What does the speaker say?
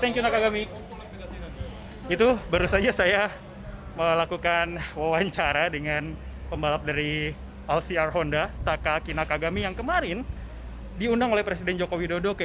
terima kasih nakagami itu baru saja saya melakukan wawancara dengan pembalap dari lcr honda takaki nakagami yang kemarin diundang oleh presiden joko widodo ke istana jokowi